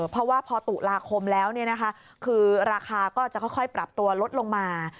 เพราะว่าพอตุลาคมแล้วคือราคาก็จะค่อยปรับตัวลดลงมา